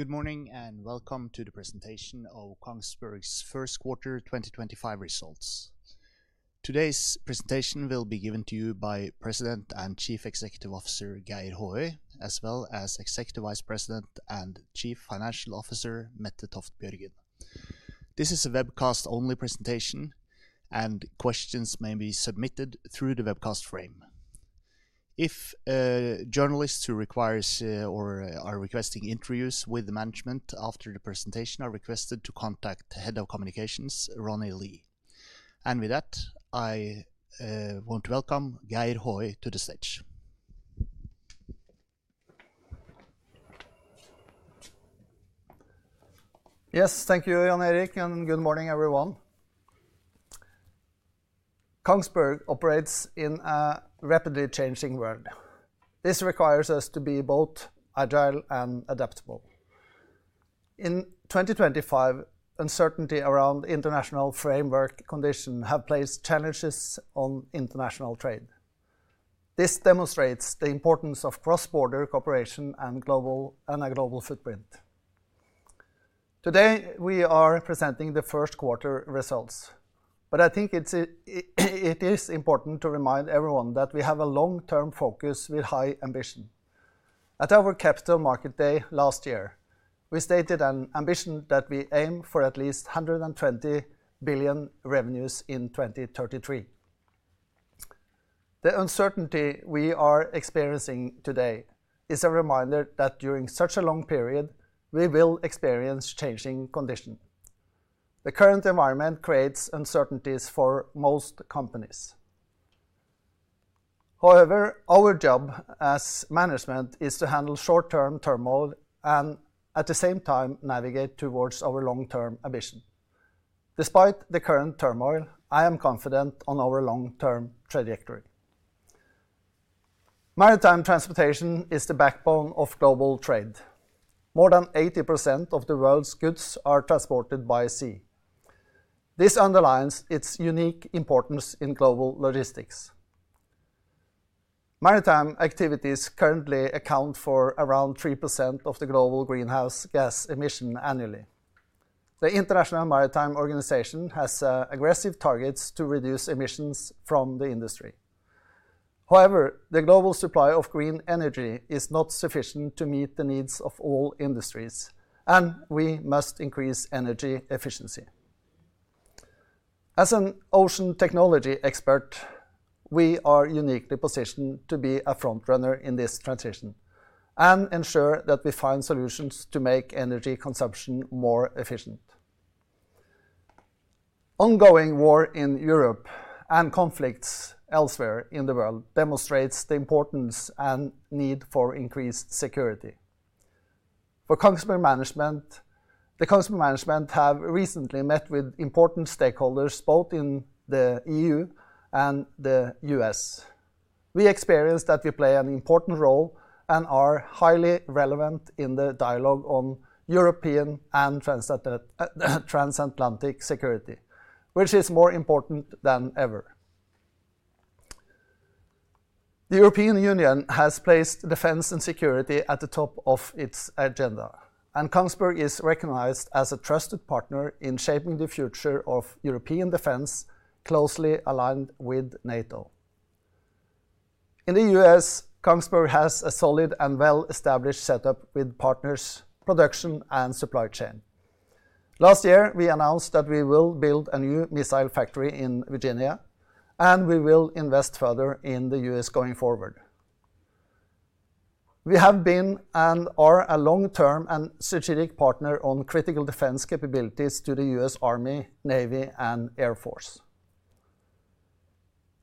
Good morning and welcome to the presentation of Kongsberg's first quarter 2025 results. Today's presentation will be given to you by President and Chief Executive Officer Geir Håøy, as well as Executive Vice President and Chief Financial Officer Mette Toft Bjørgen. This is a webcast-only presentation, and questions may be submitted through the webcast frame. If journalists who require or are requesting interviews with the management after the presentation are requested, please contact Head of Communications, Ronny Lie. With that, I want to welcome Geir Håøy to the stage. Yes, thank you, Jan Erik, and good morning, everyone. Kongsberg operates in a rapidly changing world. This requires us to be both agile and adaptable. In 2025, uncertainty around the international framework condition has placed challenges on international trade. This demonstrates the importance of cross-border cooperation and a global footprint. Today, we are presenting the first quarter results, but I think it is important to remind everyone that we have a long-term focus with high ambition. At our Capital Markets Day last year, we stated an ambition that we aim for at least 120 billion revenues in 2033. The uncertainty we are experiencing today is a reminder that during such a long period, we will experience changing conditions. The current environment creates uncertainties for most companies. However, our job as management is to handle short-term turmoil and, at the same time, navigate towards our long-term ambition. Despite the current turmoil, I am confident in our long-term trajectory. Maritime transportation is the backbone of global trade. More than 80% of the world's goods are transported by sea. This underlines its unique importance in global logistics. Maritime activities currently account for around 3% of the global greenhouse gas emissions annually. The International Maritime Organization has aggressive targets to reduce emissions from the industry. However, the global supply of green energy is not sufficient to meet the needs of all industries, and we must increase energy efficiency. As an ocean technology expert, we are uniquely positioned to be a front-runner in this transition and ensure that we find solutions to make energy consumption more efficient. Ongoing war in Europe and conflicts elsewhere in the world demonstrate the importance and need for increased security. Our management has recently met with important stakeholders both in the E.U. and the U.S. We experience that we play an important role and are highly relevant in the dialogue on European and transatlantic security, which is more important than ever. The European Union has placed defense and security at the top of its agenda, and Kongsberg is recognized as a trusted partner in shaping the future of European defense, closely aligned with NATO. In the U.S., Kongsberg has a solid and well-established setup with partners, production, and supply chain. Last year, we announced that we will build a new missile factory in Virginia, and we will invest further in the U.S. going forward. We have been and are a long-term and strategic partner on critical defense capabilities to the U.S. Army, Navy, and Air Force.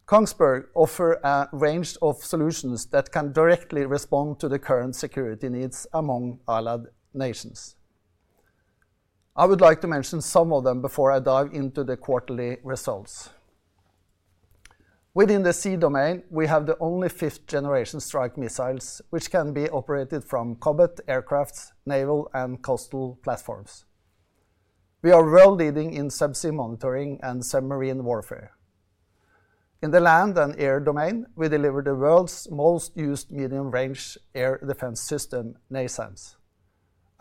Kongsberg offers a range of solutions that can directly respond to the current security needs among allied nations. I would like to mention some of them before I dive into the quarterly results. Within the sea domain, we have the only fifth-generation strike missiles, which can be operated from combat aircraft, naval, and coastal platforms. We are world-leading in subsea monitoring and submarine warfare. In the land and air domain, we deliver the world's most used medium-range air defense system, NASAMS,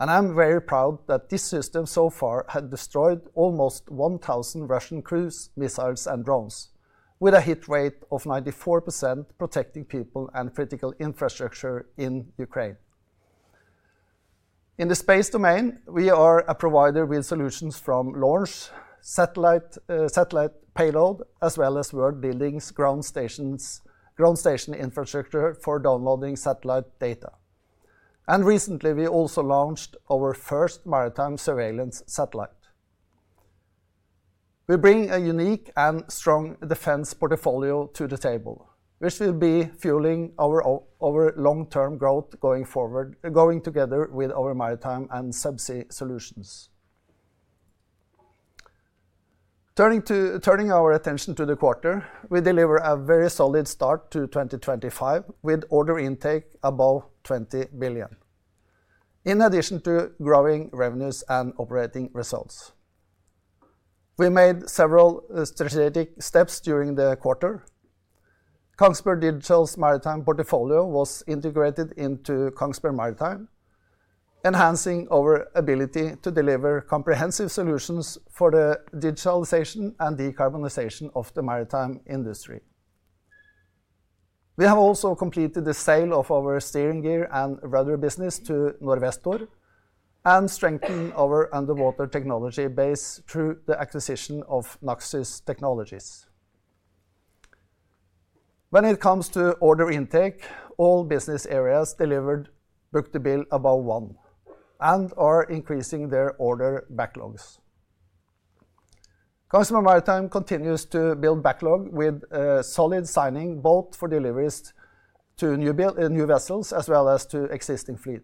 and I'm very proud that this system so far has destroyed almost 1,000 Russian cruise missiles and drones, with a hit rate of 94%, protecting people and critical infrastructure in Ukraine. In the space domain, we are a provider with solutions from launch, satellite payload, as well as world-leading ground stations, ground station infrastructure for downloading satellite data, and recently, we also launched our first maritime surveillance satellite. We bring a unique and strong defense portfolio to the table, which will be fueling our long-term growth going forward, going together with our maritime and subsea solutions. Turning our attention to the quarter, we deliver a very solid start to 2025 with order intake above 20 billion, in addition to growing revenues and operating results. We made several strategic steps during the quarter. Kongsberg Digital's maritime portfolio was integrated into Kongsberg Maritime, enhancing our ability to deliver comprehensive solutions for the digitalization and decarbonization of the maritime industry. We have also completed the sale of our steering gear and rudder business to Norvestor and strengthened our underwater technology base through the acquisition of Naxys Technologies. When it comes to order intake, all business areas delivered book-to-bill above one and are increasing their order backlogs. Kongsberg Maritime continues to build backlog with solid signing both for deliveries to new vessels as well as to existing fleet.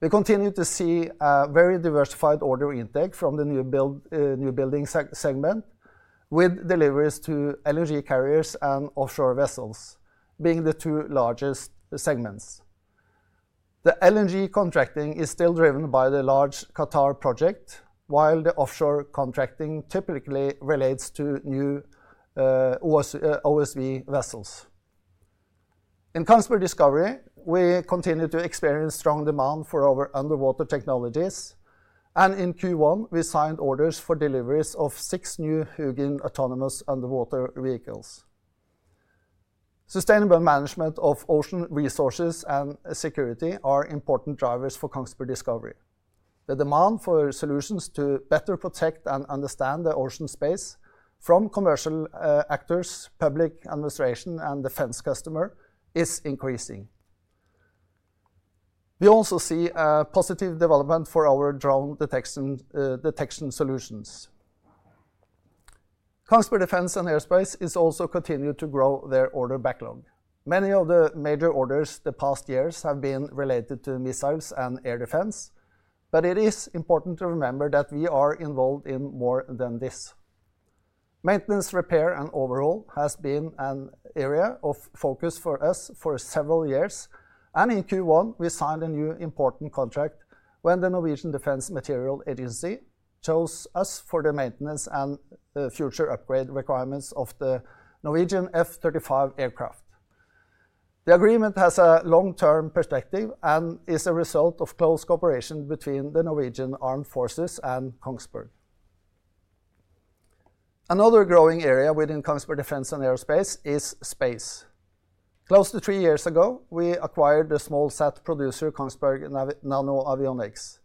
We continue to see a very diversified order intake from the new building segment, with deliveries to LNG carriers and offshore vessels being the two largest segments. The LNG contracting is still driven by the large Qatar project, while the offshore contracting typically relates to new OSV vessels. In Kongsberg Discovery, we continue to experience strong demand for our underwater technologies, and in Q1, we signed orders for deliveries of six new HUGIN autonomous underwater vehicles. Sustainable management of ocean resources and security are important drivers for Kongsberg Discovery. The demand for solutions to better protect and understand the ocean space from commercial actors, public administration, and defense customers is increasing. We also see a positive development for our drone detection solutions. Kongsberg Defence & Aerospace is also continuing to grow their order backlog. Many of the major orders the past years have been related to missiles and air defense, but it is important to remember that we are involved in more than this. Maintenance, repair, and overhaul have been an area of focus for us for several years, and in Q1, we signed a new important contract when the Norwegian Defence Materiel Agency chose us for the maintenance and future upgrade requirements of the Norwegian F-35 aircraft. The agreement has a long-term perspective and is a result of close cooperation between the Norwegian Armed Forces and Kongsberg. Another growing area within Kongsberg Defence & Aerospace is space. Close to three years ago, we acquired the small sat producer Kongsberg NanoAvionics,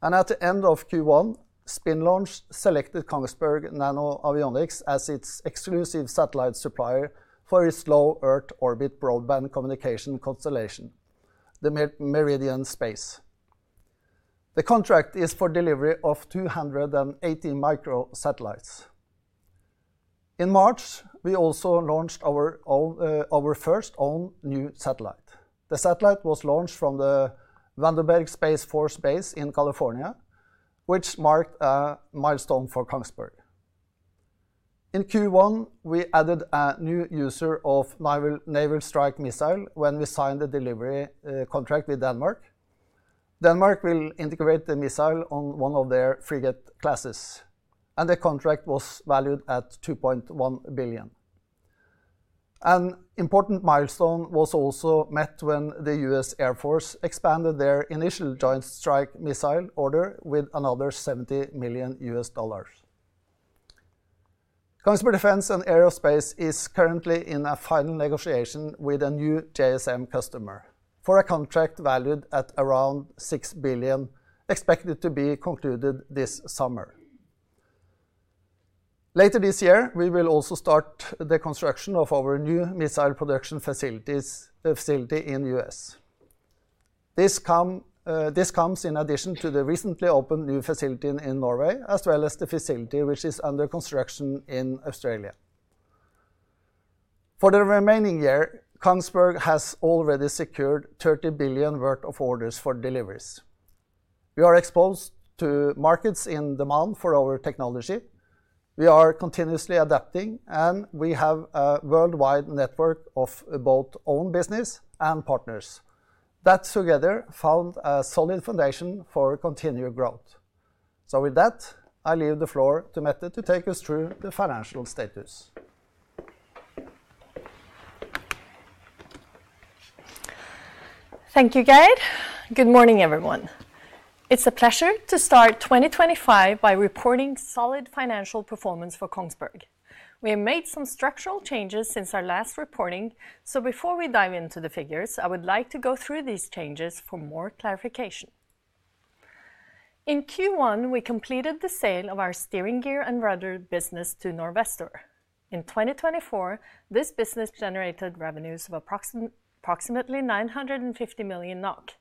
and at the end of Q1, SpinLaunch selected Kongsberg NanoAvionics as its exclusive satellite supplier for its low Earth orbit broadband communication constellation, the Meridian Space. The contract is for delivery of 280 micro-satellites. In March, we also launched our first own new satellite. The satellite was launched from the Vandenberg Space Force Base in California, which marked a milestone for Kongsberg. In Q1, we added a new user of Naval Strike Missile when we signed the delivery contract with Denmark. Denmark will integrate the missile on one of their frigate classes, and the contract was valued at 2.1 billion. An important milestone was also met when the US Air Force expanded their initial Joint Strike Missile order with another $70 million. Kongsberg Defence & Aerospace is currently in a final negotiation with a new JSM customer for a contract valued at around 6 billion, expected to be concluded this summer. Later this year, we will also start the construction of our new missile production facility in the U.S. This comes in addition to the recently opened new facility in Norway, as well as the facility which is under construction in Australia. For the remaining year, Kongsberg has already secured 30 billion worth of orders for deliveries. We are exposed to markets in demand for our technology. We are continuously adapting, and we have a worldwide network of both own business and partners that together found a solid foundation for continued growth, so with that, I leave the floor to Mette to take us through the financial status. Thank you, Geir. Good morning, everyone. It's a pleasure to start 2025 by reporting solid financial performance for Kongsberg. We have made some structural changes since our last reporting, so before we dive into the figures, I would like to go through these changes for more clarification. In Q1, we completed the sale of our steering gear and rudder business to Norvestor. In 2024, this business generated revenues of approximately 950 million NOK.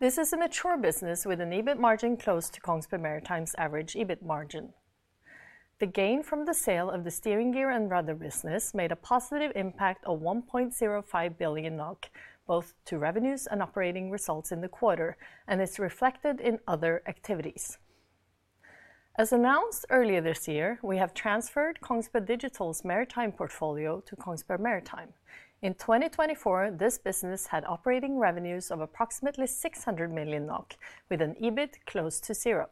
This is a mature business with an EBIT margin close to Kongsberg Maritime's average EBIT margin. The gain from the sale of the steering gear and rudder business made a positive impact of 1.05 billion NOK both to revenues and operating results in the quarter, and it's reflected in other activities. As announced earlier this year, we have transferred Kongsberg Digital's maritime portfolio to Kongsberg Maritime. In 2024, this business had operating revenues of approximately 600 million NOK, with an EBIT close to zero.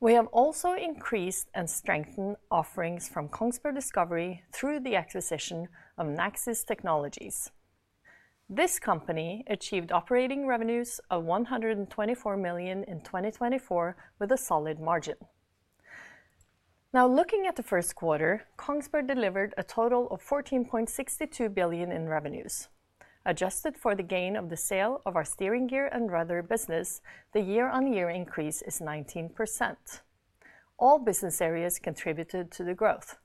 We have also increased and strengthened offerings from Kongsberg Discovery through the acquisition of Naxys Technologies. This company achieved operating revenues of 124 million NOK in 2024 with a solid margin. Now, looking at the first quarter, Kongsberg delivered a total of 14.62 billion NOK in revenues. Adjusted for the gain of the sale of our steering gear and rudder business, the year-on-year increase is 19%. All business areas contributed to the growth.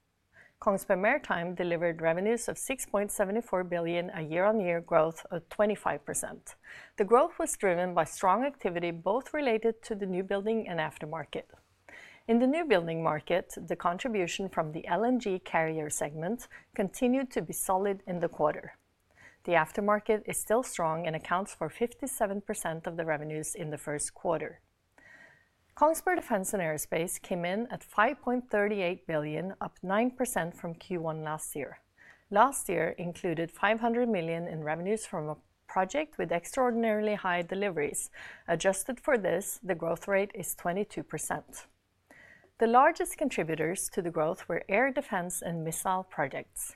Kongsberg Maritime delivered revenues of 6.74 billion NOK a year-on-year growth of 25%. The growth was driven by strong activity both related to the new building and aftermarket. In the new building market, the contribution from the LNG carrier segment continued to be solid in the quarter. The aftermarket is still strong and accounts for 57% of the revenues in the first quarter. Kongsberg Defence and Aerospace came in at 5.38 billion, up 9% from Q1 last year. Last year included 500 million in revenues from a project with extraordinarily high deliveries. Adjusted for this, the growth rate is 22%. The largest contributors to the growth were air defense and missile projects.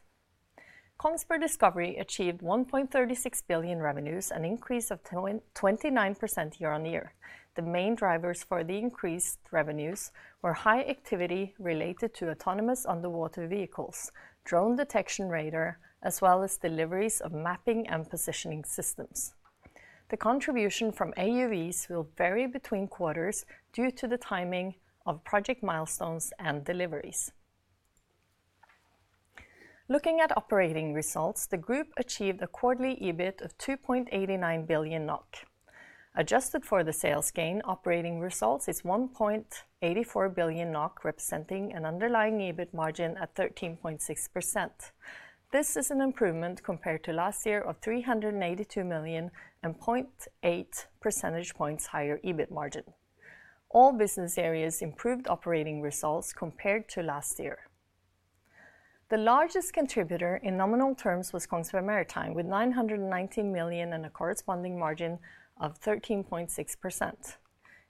Kongsberg Discovery achieved 1.36 billion revenues, an increase of 29% year-on-year. The main drivers for the increased revenues were high activity related to autonomous underwater vehicles, drone detection radar, as well as deliveries of mapping and positioning systems. The contribution from AUVs will vary between quarters due to the timing of project milestones and deliveries. Looking at operating results, the group achieved a quarterly EBIT of 2.89 billion NOK. Adjusted for the sales gain, operating results is 1.84 billion NOK, representing an underlying EBIT margin at 13.6%. This is an improvement compared to last year of 382 million and 0.8 percentage points higher EBIT margin. All business areas improved operating results compared to last year. The largest contributor in nominal terms was Kongsberg Maritime, with 919 million and a corresponding margin of 13.6%.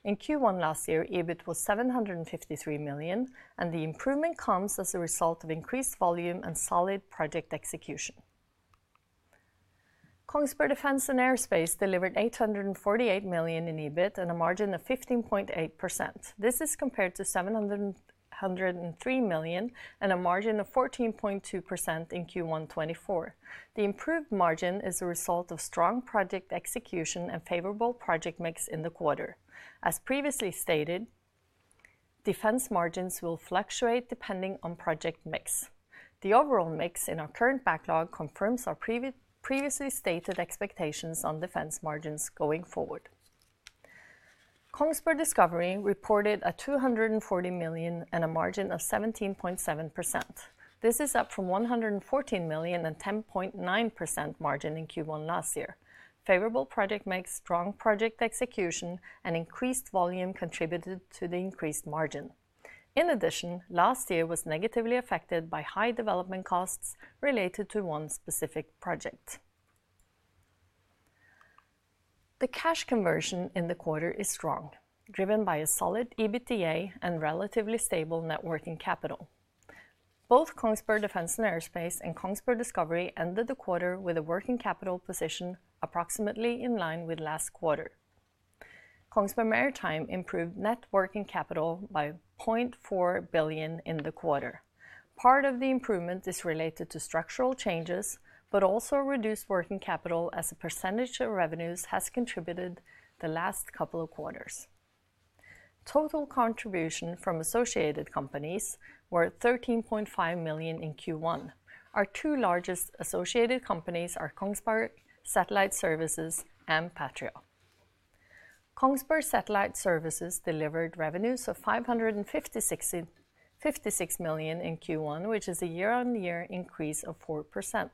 In Q1 last year, EBIT was 753 million, and the improvement comes as a result of increased volume and solid project execution. Kongsberg Defence and Aerospace delivered 848 million in EBIT and a margin of 15.8%. This is compared to 703 million and a margin of 14.2% in Q1 2024. The improved margin is a result of strong project execution and favorable project mix in the quarter. As previously stated, defense margins will fluctuate depending on project mix. The overall mix in our current backlog confirms our previously stated expectations on defense margins going forward. Kongsberg Discovery reported 240 million and a margin of 17.7%. This is up from 114 million and 10.9% margin in Q1 last year. Favorable project mix, strong project execution, and increased volume contributed to the increased margin. In addition, last year was negatively affected by high development costs related to one specific project. The cash conversion in the quarter is strong, driven by a solid EBITDA and relatively stable net working capital. Both Kongsberg Defence & Aerospace and Kongsberg Discovery ended the quarter with a working capital position approximately in line with last quarter. Kongsberg Maritime improved net working capital by 0.4 billion in the quarter. Part of the improvement is related to structural changes, but also reduced working capital as a percentage of revenues has contributed the last couple of quarters. Total contribution from associated companies were 13.5 million in Q1. Our two largest associated companies are Kongsberg Satellite Services and Patria. Kongsberg Satellite Services delivered revenues of 556 million in Q1, which is a year-on-year increase of 4%.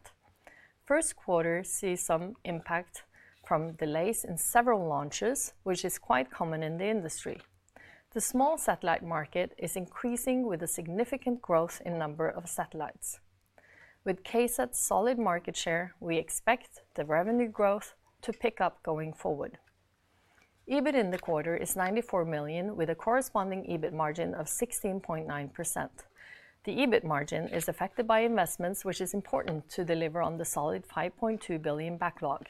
First quarter sees some impact from delays in several launches, which is quite common in the industry. The small satellite market is increasing with a significant growth in number of satellites. With KSAT's solid market share, we expect the revenue growth to pick up going forward. EBIT in the quarter is 94 million, with a corresponding EBIT margin of 16.9%. The EBIT margin is affected by investments, which is important to deliver on the solid 5.2 billion backlog.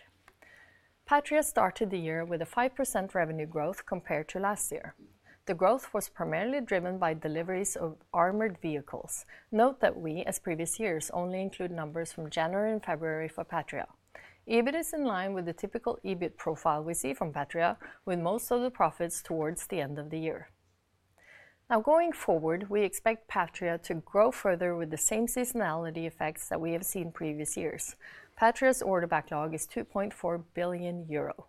Patria started the year with a 5% revenue growth compared to last year. The growth was primarily driven by deliveries of armored vehicles. Note that we, as previous years, only include numbers from January and February for Patria. EBIT is in line with the typical EBIT profile we see from Patria, with most of the profits towards the end of the year. Now, going forward, we expect Patria to grow further with the same seasonality effects that we have seen previous years. Patria's order backlog is 2.4 billion euro.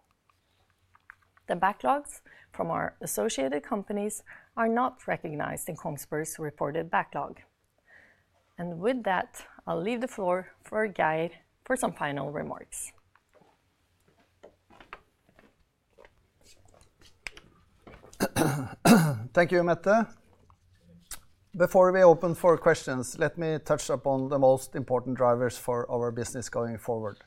The backlogs from our associated companies are not recognized in Kongsberg's reported backlog. And with that, I'll leave the floor for Geir for some final remarks. Thank you, Mette. Before we open for questions, let me touch upon the most important drivers for our business going forward.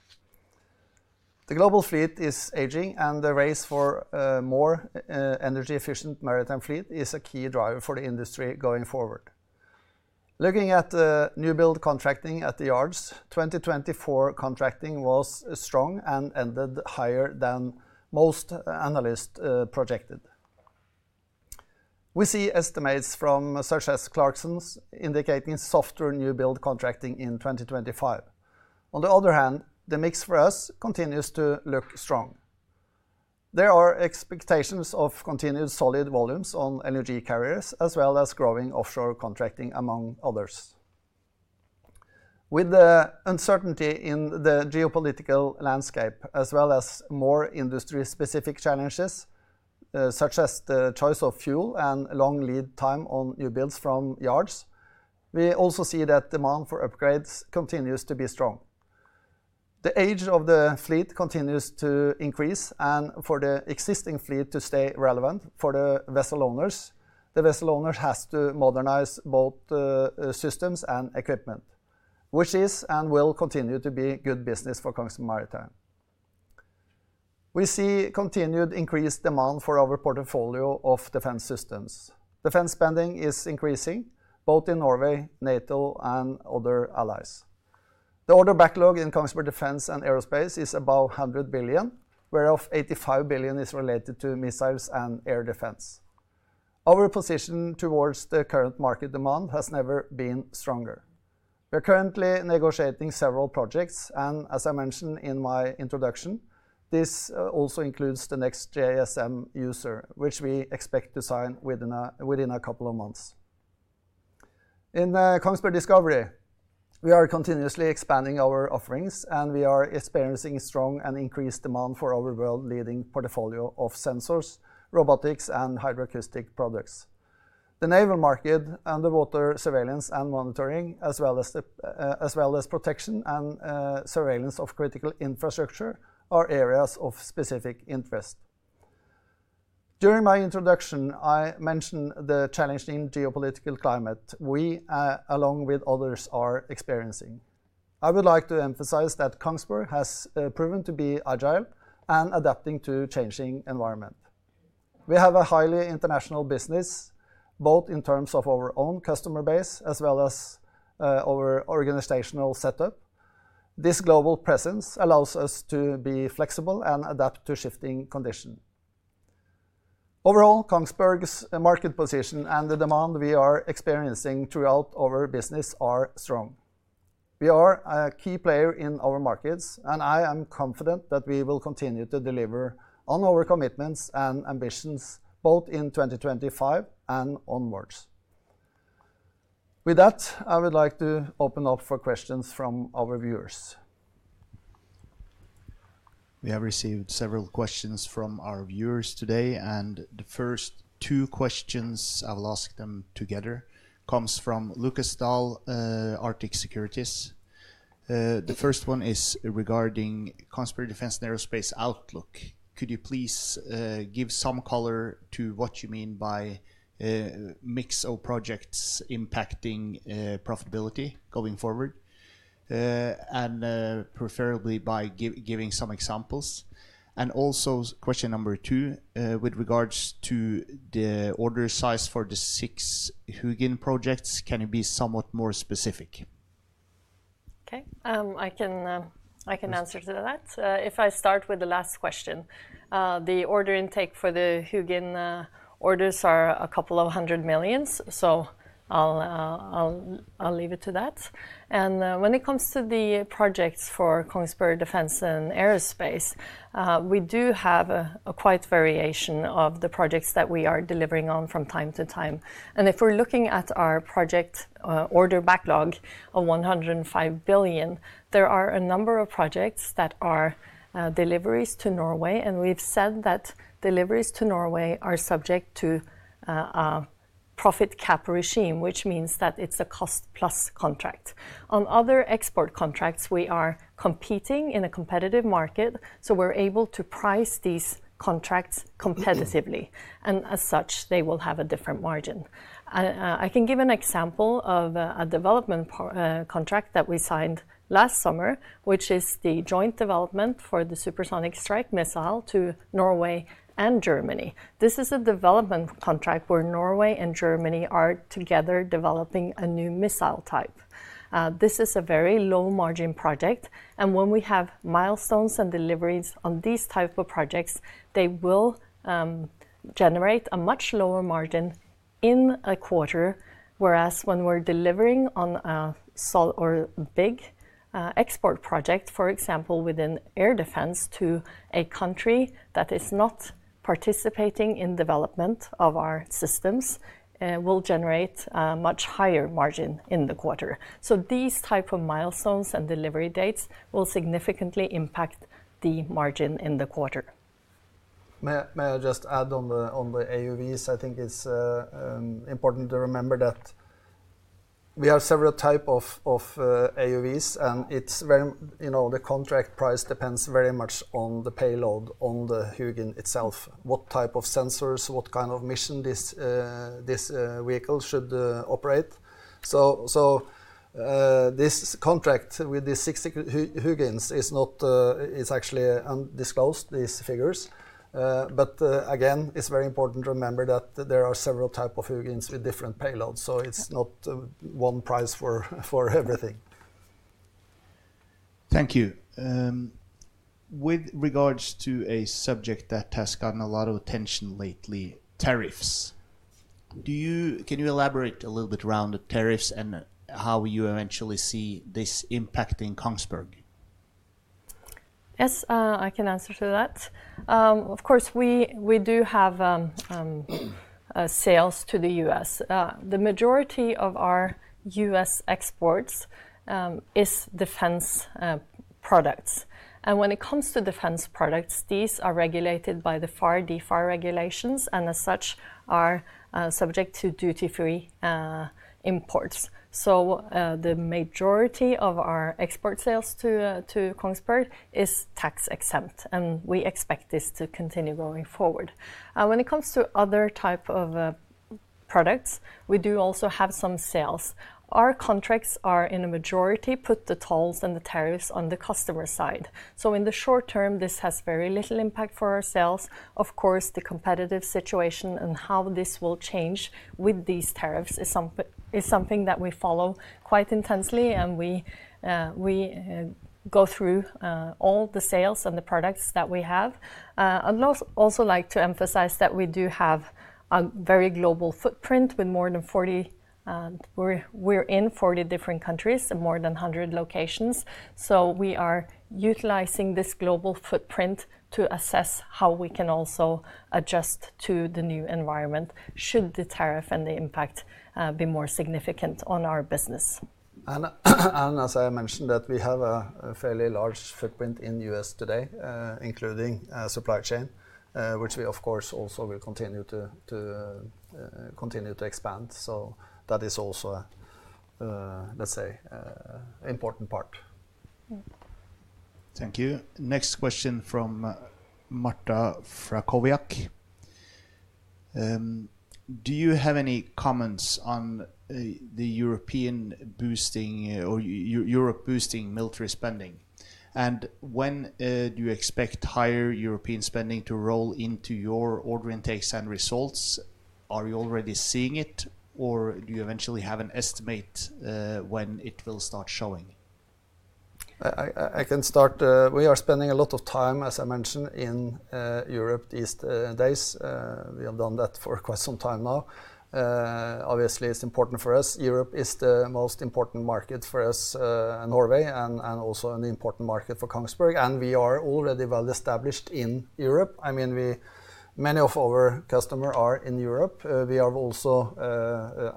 The global fleet is aging, and the race for a more energy-efficient maritime fleet is a key driver for the industry going forward. Looking at new build contracting at the yards, 2024 contracting was strong and ended higher than most analysts projected. We see estimates from such as Clarksons indicating softer new build contracting in 2025. On the other hand, the mix for us continues to look strong. There are expectations of continued solid volumes on energy carriers, as well as growing offshore contracting, among others. With the uncertainty in the geopolitical landscape, as well as more industry-specific challenges, such as the choice of fuel and long lead time on new builds from yards, we also see that demand for upgrades continues to be strong. The age of the fleet continues to increase, and for the existing fleet to stay relevant for the vessel owners, the vessel owners have to modernize both systems and equipment, which is and will continue to be good business for Kongsberg Maritime. We see continued increased demand for our portfolio of defense systems. Defense spending is increasing both in Norway, NATO, and other allies. The order backlog in Kongsberg Defence & Aerospace is above 100 billion, whereof 85 billion is related to missiles and air defense. Our position towards the current market demand has never been stronger. We are currently negotiating several projects, and as I mentioned in my introduction, this also includes the next JSM user, which we expect to sign within a couple of months. In Kongsberg Discovery, we are continuously expanding our offerings, and we are experiencing strong and increased demand for our world-leading portfolio of sensors, robotics, and hydroacoustic products. The naval market and the water surveillance and monitoring, as well as protection and surveillance of critical infrastructure, are areas of specific interest. During my introduction, I mentioned the challenging geopolitical climate we, along with others, are experiencing. I would like to emphasize that Kongsberg has proven to be agile and adapting to a changing environment. We have a highly international business, both in terms of our own customer base as well as our organizational setup. This global presence allows us to be flexible and adapt to shifting conditions. Overall, Kongsberg's market position and the demand we are experiencing throughout our business are strong. We are a key player in our markets, and I am confident that we will continue to deliver on our commitments and ambitions both in 2025 and onwards. With that, I would like to open up for questions from our viewers. We have received several questions from our viewers today, and the first two questions I will ask them together come from Lukas Daul, Arctic Securities. The first one is regarding Kongsberg Defence & Aerospace outlook. Could you please give some color to what you mean by a mix of projects impacting profitability going forward, and preferably by giving some examples? And also, question number two, with regards to the order size for the six HUGIN projects, can you be somewhat more specific? Okay, I can answer to that. If I start with the last question, the order intake for the HUGIN orders is a couple of 100 million, so I'll leave it to that, and when it comes to the projects for Kongsberg Defence & Aerospace, we do have quite a variation of the projects that we are delivering on from time to time, and if we're looking at our project order backlog of 105 billion, there are a number of projects that are deliveries to Norway, and we've said that deliveries to Norway are subject to a profit cap regime, which means that it's a cost-plus contract. On other export contracts, we are competing in a competitive market, so we're able to price these contracts competitively, and as such, they will have a different margin. I can give an example of a development contract that we signed last summer, which is the joint development for the supersonic strike missile to Norway and Germany. This is a development contract where Norway and Germany are together developing a new missile type. This is a very low-margin project, and when we have milestones and deliveries on these types of projects, they will generate a much lower margin in a quarter, whereas when we're delivering on a small or big export project, for example, within air defense to a country that is not participating in the development of our systems, we'll generate a much higher margin in the quarter. So these types of milestones and delivery dates will significantly impact the margin in the quarter. May I just add on the AUVs? I think it's important to remember that we have several types of AUVs, and the contract price depends very much on the payload on the HUGIN itself, what type of sensors, what kind of mission this vehicle should operate, so this contract with the six HUGINs is actually undisclosed, these figures, but again, it's very important to remember that there are several types of HUGINs with different payloads, so it's not one price for everything. Thank you. With regards to a subject that has gotten a lot of attention lately, tariffs. Can you elaborate a little bit around the tariffs and how you eventually see this impacting Kongsberg? Yes, I can answer to that. Of course, we do have sales to the U.S. The majority of our U.S. exports is defense products. And when it comes to defense products, these are regulated by the FAR, DFAR regulations, and as such, are subject to duty-free imports. So the majority of our export sales to the U.S. is tax-exempt, and we expect this to continue going forward. When it comes to other types of products, we do also have some sales. Our contracts, in a majority, put the tolls and the tariffs on the customer side. So in the short term, this has very little impact for our sales. Of course, the competitive situation and how this will change with these tariffs is something that we follow quite intensely, and we go through all the sales and the products that we have. I'd also like to emphasize that we do have a very global footprint with more than 40, and we're in 40 different countries and more than 100 locations. So we are utilizing this global footprint to assess how we can also adjust to the new environment should the tariff and the impact be more significant on our business. And as I mentioned, we have a fairly large footprint in the U.S. today, including supply chain, which we, of course, also will continue to expand. So that is also, let's say, an important part. Thank you. Next question from Marta Frąckowiak. Do you have any comments on the Europe boosting military spending? And when do you expect higher European spending to roll into your order intakes and results? Are you already seeing it, or do you eventually have an estimate when it will start showing? I can start. We are spending a lot of time, as I mentioned, in Europe these days. We have done that for quite some time now. Obviously, it's important for us. Europe is the most important market for us and Norway, and also an important market for Kongsberg, and we are already well established in Europe. I mean, many of our customers are in Europe. We have also a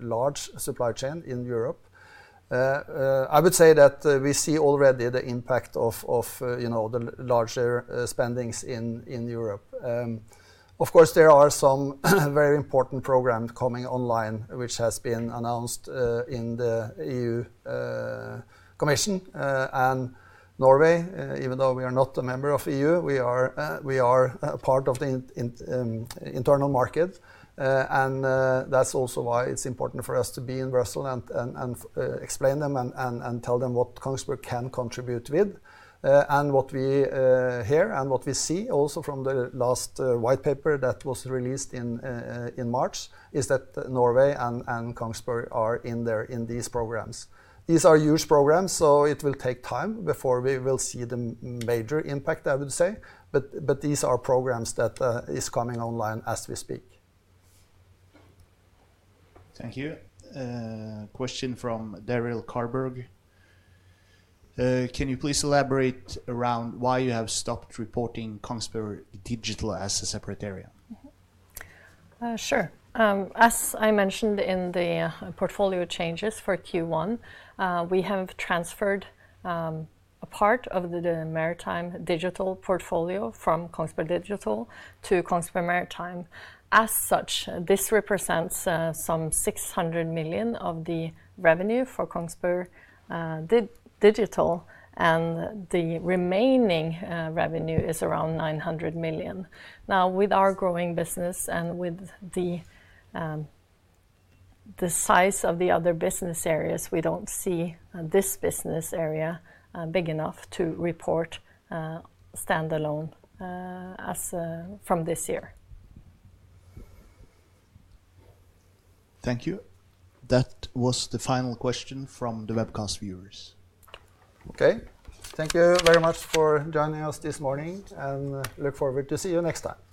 large supply chain in Europe. I would say that we see already the impact of the larger spending in Europe. Of course, there are some very important programs coming online, which have been announced in the EU Commission and Norway. Even though we are not a member of the EU, we are a part of the internal market. That's also why it's important for us to be in Brussels and explain to them and tell them what Kongsberg can contribute with. What we hear and what we see also from the last white paper that was released in March is that Norway and Kongsberg are in these programs. These are huge programs, so it will take time before we will see the major impact, I would say. These are programs that are coming online as we speak. Thank you. Question from Daryl Carberg. Can you please elaborate around why you have stopped reporting Kongsberg Digital as a separate area? Sure. As I mentioned in the portfolio changes for Q1, we have transferred a part of the maritime digital portfolio from Kongsberg Digital to Kongsberg Maritime. As such, this represents some 600 million of the revenue for Kongsberg Digital, and the remaining revenue is around 900 million. Now, with our growing business and with the size of the other business areas, we don't see this business area big enough to report standalone from this year. Thank you. That was the final question from the webcast viewers. Okay. Thank you very much for joining us this morning, and look forward to seeing you next time.